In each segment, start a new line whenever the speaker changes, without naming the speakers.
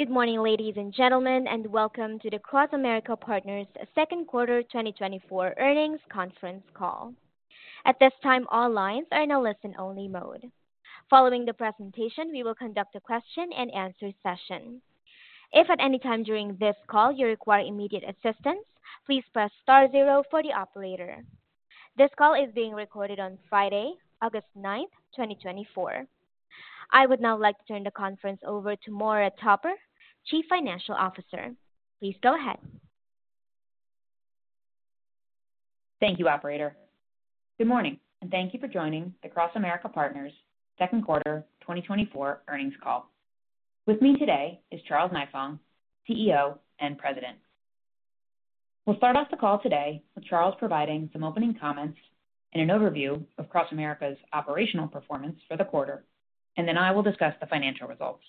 Good morning, ladies and gentlemen, and welcome to the CrossAmerica Partners' Second Quarter 2024 earnings conference call. At this time, all lines are in a listen-only mode. Following the presentation, we will conduct a question-and-answer session. If at any time during this call you require immediate assistance, please press star zero for the operator. This call is being recorded on Friday, August 9, 2024. I would now like to turn the conference over to Maura Topper, Chief Financial Officer. Please go ahead.
Thank you, operator. Good morning, and thank you for joining the CrossAmerica Partners' second quarter 2024 earnings call. With me today is Charles Nifong, CEO and President. We'll start off the call today with Charles providing some opening comments and an overview of CrossAmerica's operational performance for the quarter, and then I will discuss the financial results.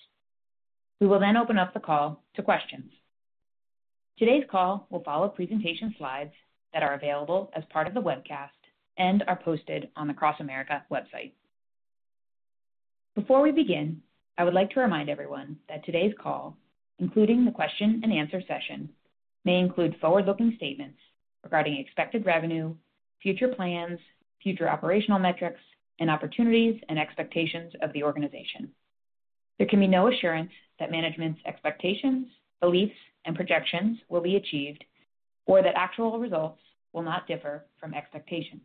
We will then open up the call to questions. Today's call will follow presentation slides that are available as part of the webcast and are posted on the CrossAmerica website. Before we begin, I would like to remind everyone that today's call, including the question-and-answer session, may include forward-looking statements regarding expected revenue, future plans, future operational metrics, and opportunities and expectations of the organization. There can be no assurance that management's expectations, beliefs, and projections will be achieved or that actual results will not differ from expectations.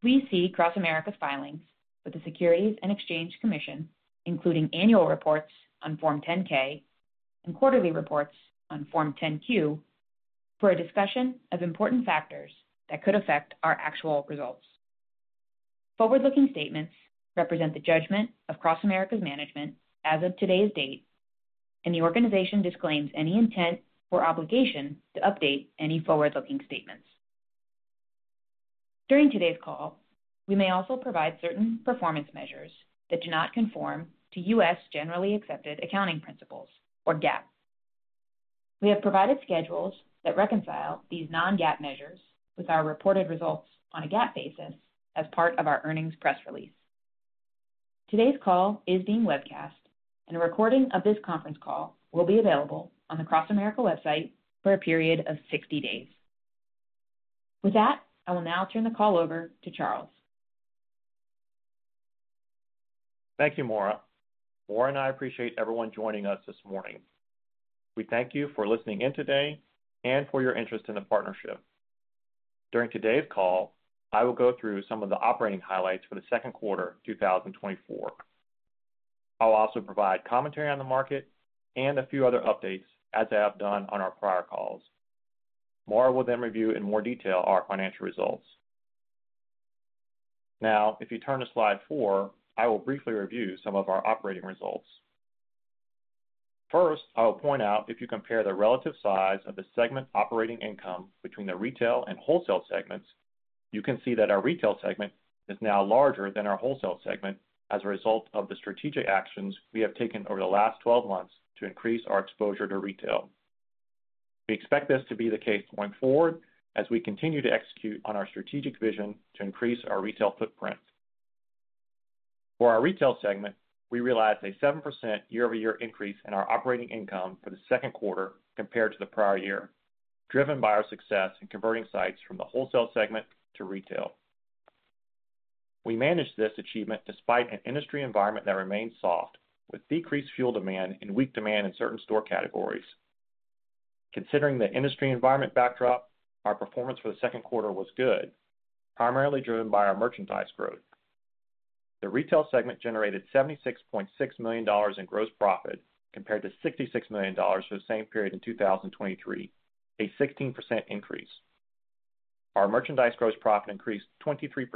Please see CrossAmerica's filings with the Securities and Exchange Commission, including annual reports on Form 10-K and quarterly reports on Form 10-Q, for a discussion of important factors that could affect our actual results. Forward-looking statements represent the judgment of CrossAmerica's management as of today's date, and the organization disclaims any intent or obligation to update any forward-looking statements. During today's call, we may also provide certain performance measures that do not conform to U.S. generally accepted accounting principles, or GAAP. We have provided schedules that reconcile these non-GAAP measures with our reported results on a GAAP basis as part of our earnings press release. Today's call is being webcast, and a recording of this conference call will be available on the CrossAmerica website for a period of 60 days. With that, I will now turn the call over to Charles.
Thank you, Maura. Maura and I appreciate everyone joining us this morning. We thank you for listening in today and for your interest in the partnership. During today's call, I will go through some of the operating highlights for the second quarter, 2024. I'll also provide commentary on the market and a few other updates, as I have done on our prior calls. Maura will then review in more detail our financial results. Now, if you turn to slide four, I will briefly review some of our operating results. First, I will point out if you compare the relative size of the segment operating income between the retail and wholesale segments, you can see that our retail segment is now larger than our wholesale segment as a result of the strategic actions we have taken over the last 12 months to increase our exposure to retail. We expect this to be the case going forward as we continue to execute on our strategic vision to increase our retail footprint. For our retail segment, we realized a 7% year-over-year increase in our operating income for the second quarter compared to the prior year, driven by our success in converting sites from the wholesale segment to retail. We managed this achievement despite an industry environment that remains soft, with decreased fuel demand and weak demand in certain store categories. Considering the industry environment backdrop, our performance for the second quarter was good, primarily driven by our merchandise growth. The retail segment generated $76.6 million in gross profit, compared to $66 million for the same period in 2023, a 16% increase. Our merchandise gross profit increased 23%,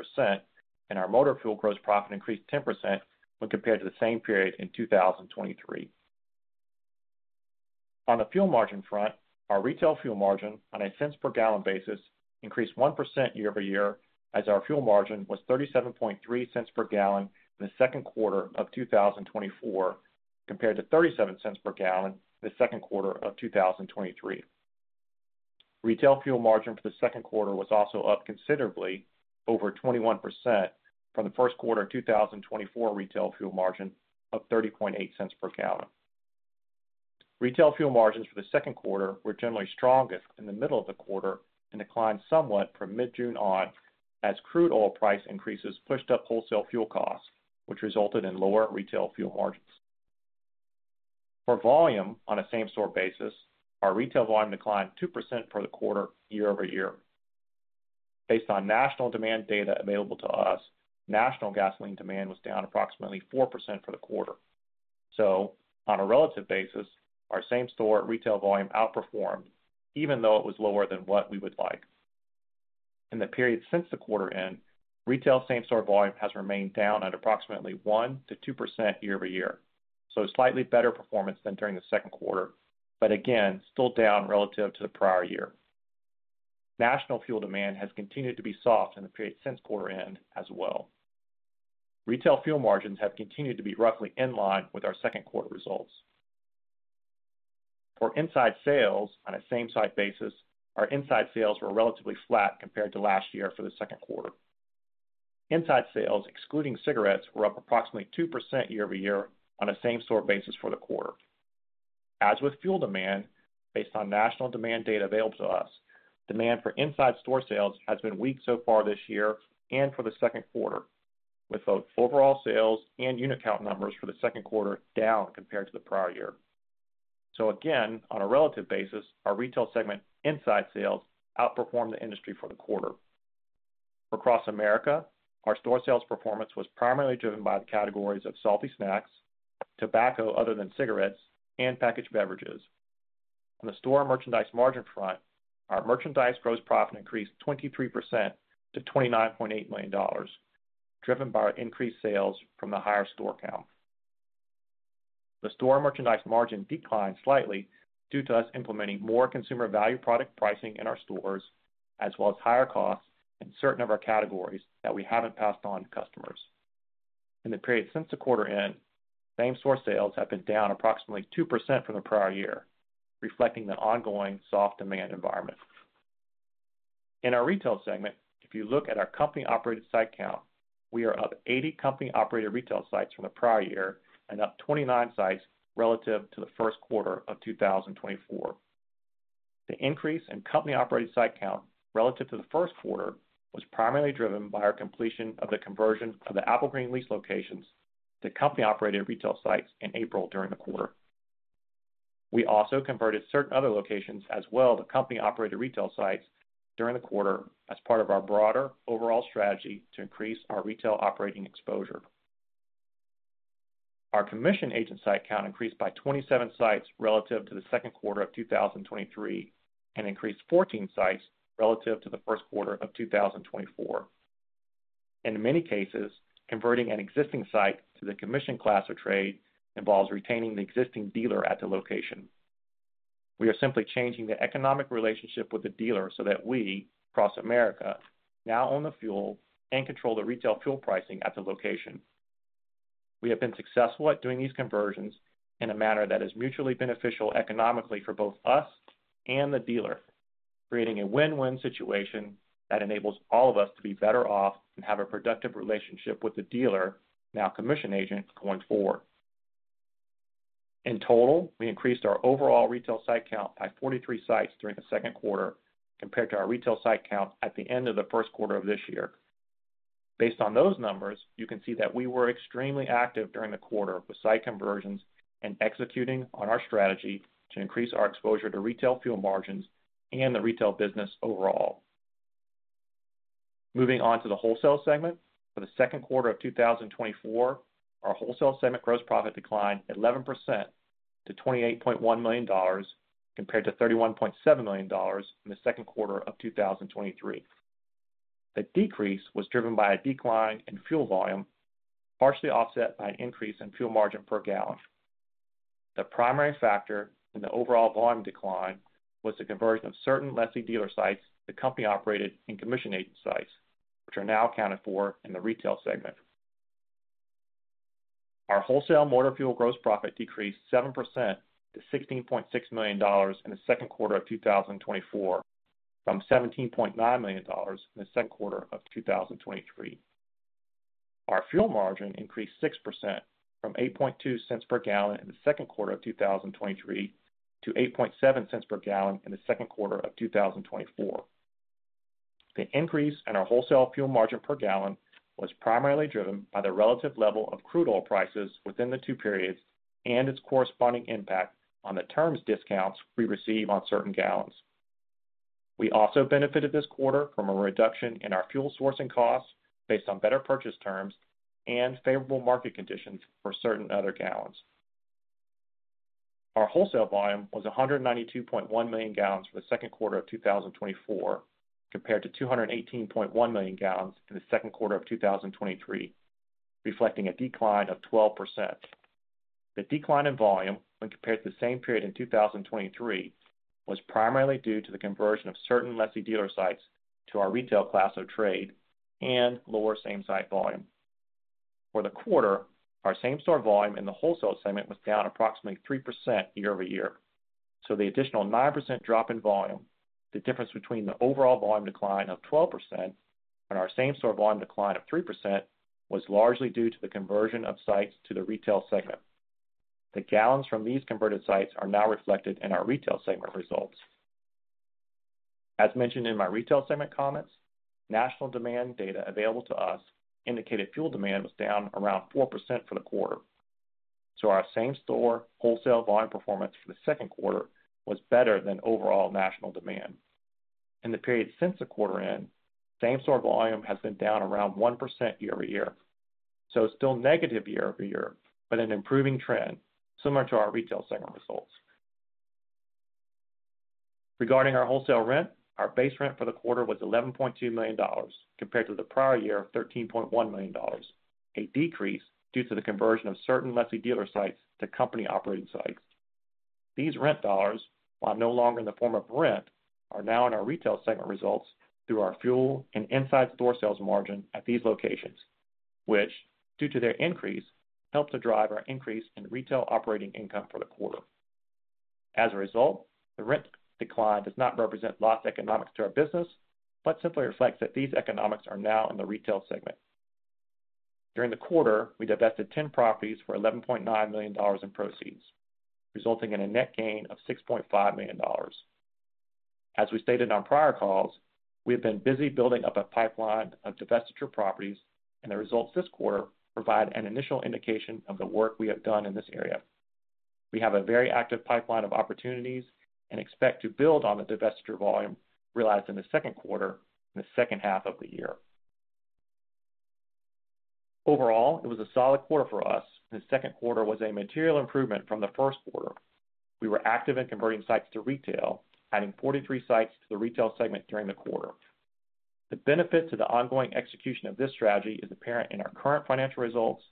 and our motor fuel gross profit increased 10% when compared to the same period in 2023. On the fuel margin front, our retail fuel margin on a cents per gal basis increased 1% year-over-year, as our fuel margin was $0.373 cents per gal in the second quarter of 2024, compared to $0.37 per gal in the second quarter of 2023. Retail fuel margin for the second quarter was also up considerably, over 21% from the first quarter of 2024 retail fuel margin of $0.308 per gal. Retail fuel margins for the second quarter were generally strongest in the middle of the quarter and declined somewhat from mid-June on, as crude oil price increases pushed up wholesale fuel costs, which resulted in lower retail fuel margins. For volume, on a same-store basis, our retail volume declined 2% for the quarter year-over-year. Based on national demand data available to us, national gasoline demand was down approximately 4% for the quarter. So on a relative basis, our same-store retail volume outperformed, even though it was lower than what we would like. In the period since the quarter end, retail same-store volume has remained down at approximately 1%-2% year-over-year, so slightly better performance than during the second quarter, but again, still down relative to the prior year. National fuel demand has continued to be soft in the period since quarter end as well. Retail fuel margins have continued to be roughly in line with our second quarter results. For inside sales, on a same-site basis, our inside sales were relatively flat compared to last year for the second quarter. Inside sales, excluding cigarettes, were up approximately 2% year-over-year on a same-store basis for the quarter. As with fuel demand, based on national demand data available to us, demand for inside store sales has been weak so far this year and for the second quarter, with both overall sales and unit count numbers for the second quarter down compared to the prior year. So again, on a relative basis, our retail segment inside sales outperformed the industry for the quarter. CrossAmerica, our store sales performance was primarily driven by the categories of salty snacks, tobacco other than cigarettes, and packaged beverages. On the store merchandise margin front, our merchandise gross profit increased 23% to $29.8 million, driven by our increased sales from the higher store count. The store merchandise margin declined slightly due to us implementing more consumer value product pricing in our stores, as well as higher costs in certain of our categories that we haven't passed on to customers. In the period since the quarter end, same-store sales have been down approximately 2% from the prior year, reflecting the ongoing soft demand environment. In our retail segment, if you look at our company-operated site count, we are up 80 company-operated retail sites from the prior year and up 29 sites relative to the first quarter of 2024. The increase in company-operated site count relative to the first quarter was primarily driven by our completion of the conversion of the Applegreen lease locations to company-operated retail sites in April during the quarter. We also converted certain other locations as well to company-operated retail sites during the quarter as part of our broader overall strategy to increase our retail operating exposure. Our commission agent site count increased by 27 sites relative to the second quarter of 2023, and increased 14 sites relative to the first quarter of 2024. In many cases, converting an existing site to the commission class of trade involves retaining the existing dealer at the location. We are simply changing the economic relationship with the dealer so that we, CrossAmerica, now own the fuel and control the retail fuel pricing at the location. We have been successful at doing these conversions in a manner that is mutually beneficial economically for both us and the dealer, creating a win-win situation that enables all of us to be better off and have a productive relationship with the dealer, now commission agent, going forward. In total, we increased our overall retail site count by 43 sites during the second quarter compared to our retail site count at the end of the first quarter of this year. Based on those numbers, you can see that we were extremely active during the quarter with site conversions and executing on our strategy to increase our exposure to retail fuel margins and the retail business overall. Moving on to the wholesale segment. For the second quarter of 2024, our wholesale segment gross profit declined 11% to $28.1 million, compared to $31.7 million in the second quarter of 2023. The decrease was driven by a decline in fuel volume, partially offset by an increase in fuel margin per gal. The primary factor in the overall volume decline was the conversion of certain lessee dealer sites the company operated in commission agent sites, which are now accounted for in the retail segment. Our wholesale motor fuel gross profit decreased 7% to $16.6 million in the second quarter of 2024, from $17.9 million in the second quarter of 2023. Our fuel margin increased 6% from 8.2 cents per gal in the second quarter of 2023 to 8.7 cents per gal in the second quarter of 2024. The increase in our wholesale fuel margin per gal was primarily driven by the relative level of crude oil prices within the two periods and its corresponding impact on the terms discounts we receive on certain gals. We also benefited this quarter from a reduction in our fuel sourcing costs based on better purchase terms and favorable market conditions for certain other gals. Our wholesale volume was 192.1 million gals for the second quarter of 2024, compared to 218.1 million gals in the second quarter of 2023, reflecting a decline of 12%. The decline in volume when compared to the same period in 2023, was primarily due to the conversion of certain lessee dealer sites to our retail class of trade and lower same-store volume. For the quarter, our same-store volume in the wholesale segment was down approximately 3% year-over-year, so the additional 9% drop in volume, the difference between the overall volume decline of 12% and our same-store volume decline of 3%, was largely due to the conversion of sites to the retail segment. The gals from these converted sites are now reflected in our retail segment results. As mentioned in my retail segment comments, national demand data available to us indicated fuel demand was down around 4% for the quarter. So our same-store wholesale volume performance for the second quarter was better than overall national demand. In the period since the quarter end, same-store volume has been down around 1% year-over-year, so still negative year-over-year, but an improving trend similar to our retail segment results. Regarding our wholesale rent, our base rent for the quarter was $11.2 million, compared to the prior year of $13.1 million, a decrease due to the conversion of certain lessee dealer sites to company-operated sites. These rent dollars, while no longer in the form of rent, are now in our retail segment results through our fuel and inside store sales margin at these locations, which, due to their increase, helped to drive our increase in retail operating income for the quarter. As a result, the rent decline does not represent lost economics to our business, but simply reflects that these economics are now in the retail segment. During the quarter, we divested 10 properties for $11.9 million in proceeds, resulting in a net gain of $6.5 million. As we stated on prior calls, we have been busy building up a pipeline of divestiture properties, and the results this quarter provide an initial indication of the work we have done in this area. We have a very active pipeline of opportunities and expect to build on the divestiture volume realized in the second quarter, in the second half of the year. Overall, it was a solid quarter for us. The second quarter was a material improvement from the first quarter. We were active in converting sites to retail, adding 43 sites to the Retail Segment during the quarter. The benefit to the ongoing execution of this strategy is apparent in our current financial results,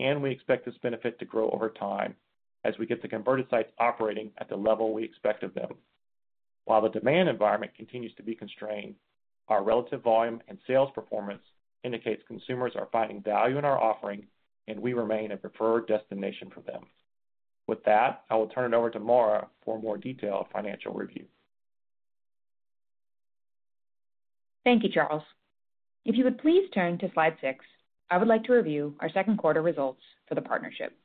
and we expect this benefit to grow over time as we get the converted sites operating at the level we expect of them. While the demand environment continues to be constrained, our relative volume and sales performance indicates consumers are finding value in our offering and we remain a preferred destination for them. With that, I will turn it over to Maura for a more detailed financial review.
Thank you, Charles. If you would please turn to slide six, I would like to review our second quarter results for the partnership.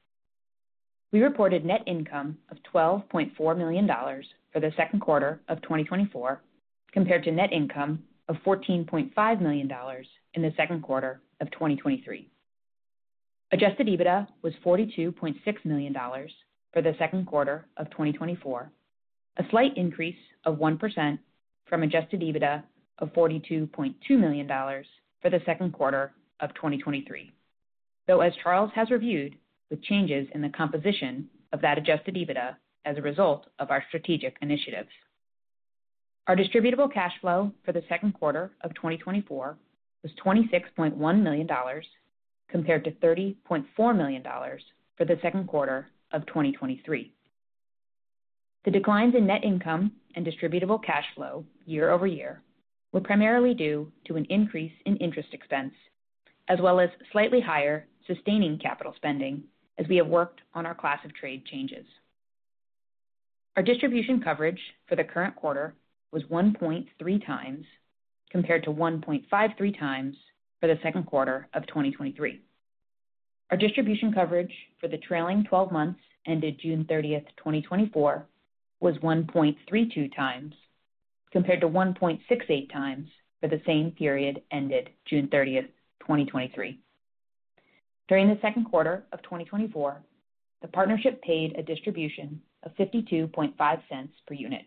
We reported net income of $12.4 million for the second quarter of 2024, compared to net income of $14.5 million in the second quarter of 2023. Adjusted EBITDA was $42.6 million for the second quarter of 2024, a slight increase of 1% from adjusted EBITDA of $42.2 million for the second quarter of 2023, though, as Charles has reviewed, with changes in the composition of that adjusted EBITDA as a result of our strategic initiatives. Our Distributable Cash Flow for the second quarter of 2024 was $26.1 million, compared to $30.4 million for the second quarter of 2023. The declines in net income and distributable cash flow year-over-year were primarily due to an increase in interest expense, as well as slightly higher sustaining capital spending as we have worked on our class of trade changes. Our distribution coverage for the current quarter was 1.3 times, compared to 1.53 times for the second quarter of 2023. Our distribution coverage for the trailing twelve months ended June 30, 2024, was 1.32 times, compared to 1.68 times for the same period, ended June 30, 2023. During the second quarter of 2024, the partnership paid a distribution of $0.525 per unit.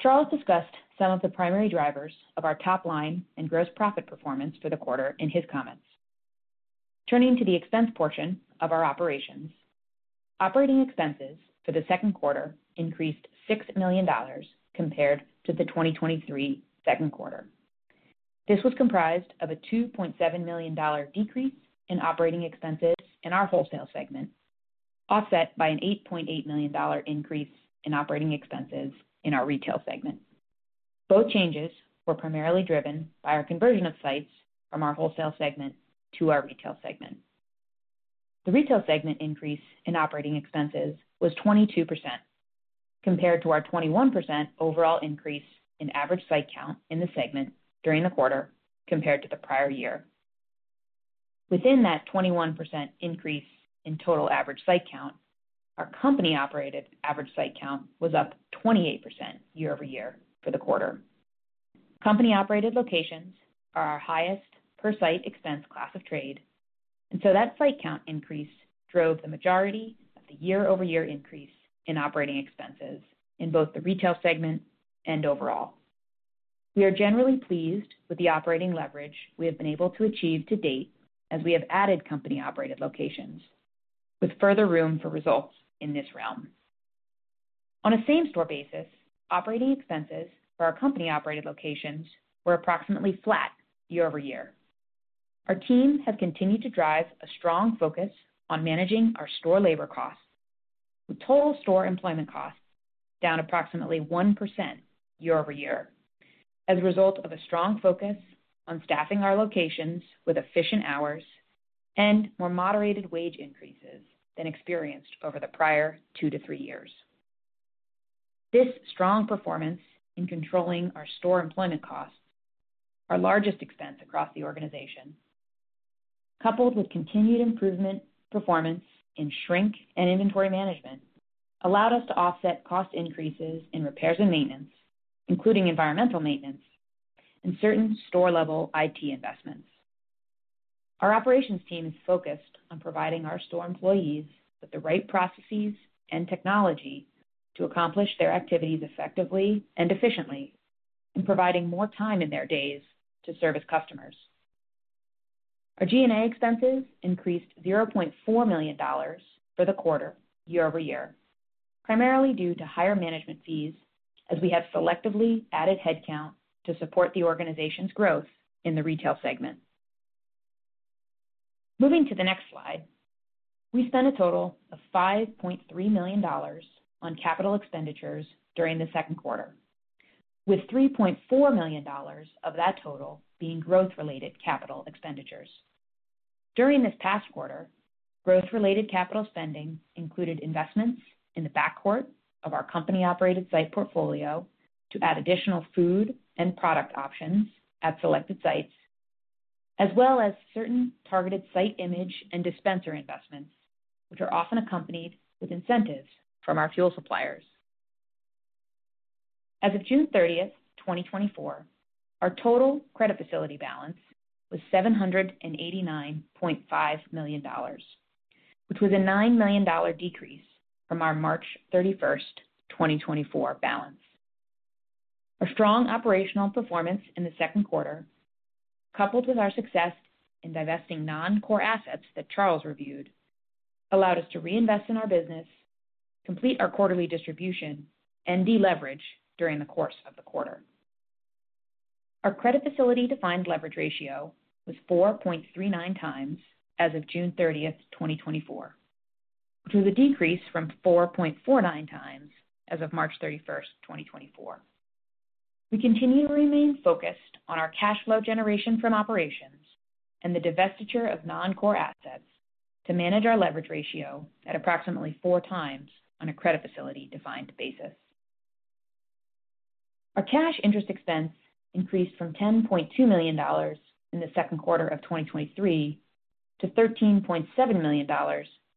Charles discussed some of the primary drivers of our top line and gross profit performance for the quarter in his comments. Turning to the expense portion of our operations. Operating expenses for the second quarter increased $6 million compared to the 2023 second quarter. This was comprised of a $2.7 million decrease in operating expenses in our Wholesale Segment, offset by an $8.8 million increase in operating expenses in our Retail Segment. Both changes were primarily driven by our conversion of sites from our Wholesale Segment to our Retail Segment. The Retail Segment increase in operating expenses was 22%, compared to our 21% overall increase in average site count in the segment during the quarter compared to the prior year. Within that 21% increase in total average site count, our Company-Operated average site count was up 28% year-over-year for the quarter. Company-operated locations are our highest per site expense class of trade, and so that site count increase drove the majority of the year-over-year increase in operating expenses in both the retail segment and overall. We are generally pleased with the operating leverage we have been able to achieve to date as we have added company-operated locations, with further room for results in this realm. On a same store basis, operating expenses for our company-operated locations were approximately flat year-over-year. Our teams have continued to drive a strong focus on managing our store labor costs, with total store employment costs down approximately 1% year-over-year as a result of a strong focus on staffing our locations with efficient hours and more moderated wage increases than experienced over the prior two to three years. This strong performance in controlling our store employment costs, our largest expense across the organization, coupled with continued improvement performance in shrink and inventory management, allowed us to offset cost increases in repairs and maintenance, including environmental maintenance and certain store-level IT investments. Our operations team is focused on providing our store employees with the right processes and technology to accomplish their activities effectively and efficiently, and providing more time in their days to service customers. Our G&A expenses increased $0.4 million for the quarter year-over-year, primarily due to higher management fees as we have selectively added headcount to support the organization's growth in the retail segment. Moving to the next slide. We spent a total of $5.3 million on capital expenditures during the second quarter, with $3.4 million of that total being growth-related capital expenditures. During this past quarter, growth-related capital spending included investments in the backcourt of our company-operated site portfolio to add additional food and product options at selected sites, as well as certain targeted site image and dispenser investments, which are often accompanied with incentives from our fuel suppliers. As of June 30, 2024, our total credit facility balance was $789.5 million, which was a $9 million decrease from our March 31, 2024 balance. Our strong operational performance in the second quarter, coupled with our success in divesting non-core assets that Charles reviewed, allowed us to reinvest in our business, complete our quarterly distribution, and deleverage during the course of the quarter. Our credit facility defined leverage ratio was 4.39 times as of June 13, 2024, which was a decrease from 4.49 times as of March 31, 2024. We continue to remain focused on our cash flow generation from operations and the divestiture of non-core assets to manage our leverage ratio at approximately 4 times on a credit facility defined basis. Our cash interest expense increased from $10.2 million in the second quarter of 2023 to $13.7 million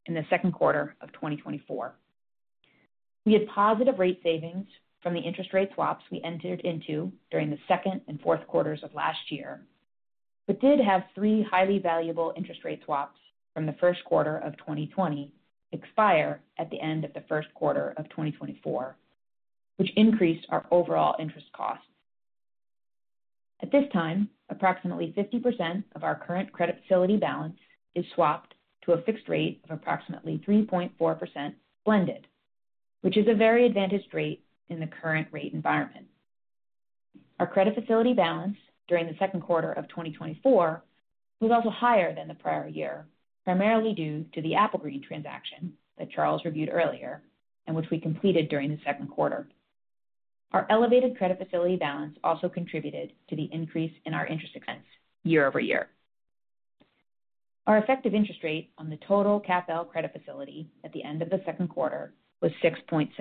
in the second quarter of 2024. We had positive rate savings from the interest rate swaps we entered into during the second and fourth quarters of last year, but did have 3 highly valuable interest rate swaps from the first quarter of 2020 expire at the end of the first quarter of 2024, which increased our overall interest costs. At this time, approximately 50% of our current credit facility balance is swapped to a fixed rate of approximately 3.4% blended, which is a very advantaged rate in the current rate environment. Our credit facility balance during the second quarter of 2024 was also higher than the prior year, primarily due to the Applegreen transaction that Charles reviewed earlier and which we completed during the second quarter. Our elevated credit facility balance also contributed to the increase in our interest expense year-over-year. Our effective interest rate on the total CAP credit facility at the end of the second quarter was 6.7%.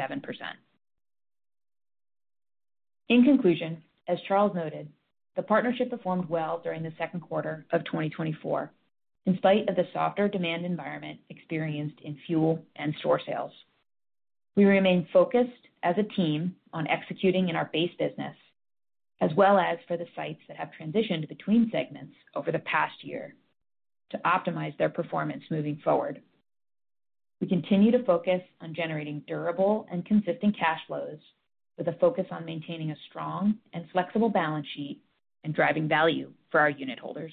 In conclusion, as Charles noted, the partnership performed well during the second quarter of 2024, in spite of the softer demand environment experienced in fuel and store sales. We remain focused as a team on executing in our base business, as well as for the sites that have transitioned between segments over the past year to optimize their performance moving forward. We continue to focus on generating durable and consistent cash flows, with a focus on maintaining a strong and flexible balance sheet and driving value for our unitholders.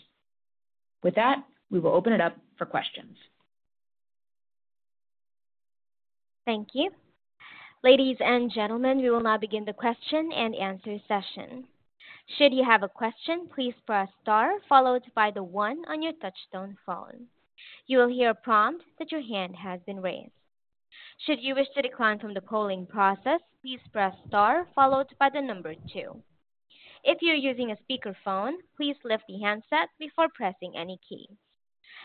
With that, we will open it up for questions.
Thank you. Ladies and gentlemen, we will now begin the question and answer session. Should you have a question, please press star followed by the one on your touch-tone phone. You will hear a prompt that your hand has been raised. Should you wish to decline from the polling process, please press star followed by the number two. If you're using a speakerphone, please lift the handset before pressing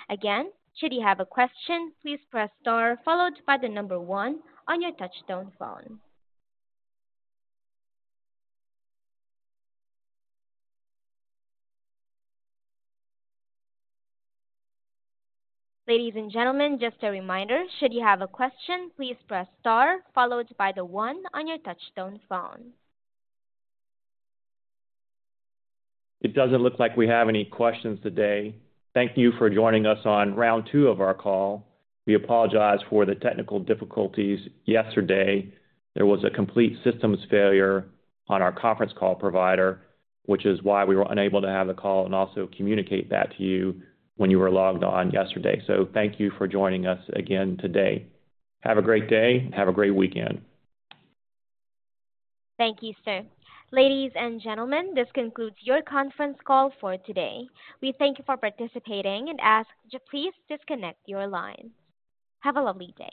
any key. Again, should you have a question, please press star followed by the number one on your touch-tone phone. Ladies and gentlemen, just a reminder, should you have a question, please press star followed by the one on your touch-tone phone.
It doesn't look like we have any questions today. Thank you for joining us on round two of our call. We apologize for the technical difficulties yesterday. There was a complete systems failure on our conference call provider, which is why we were unable to have the call and also communicate that to you when you were logged on yesterday. So thank you for joining us again today. Have a great day, and have a great weekend.
Thank you, sir. Ladies and gentlemen, this concludes your conference call for today. We thank you for participating and ask to please disconnect your line. Have a lovely day.